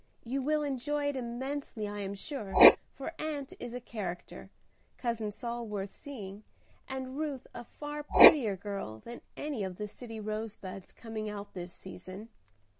You will enjoy it immensely I am sure, for Aunt is a character. Cousin Saul worth seeing, and Ruth a far prettier girl than any of the city rose buds coming out this season.